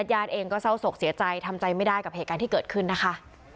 ญาติเองก็เศร้าศกเสียใจทำใจไม่ได้กับเหตุการณ์ที่เกิดขึ้นนะคะ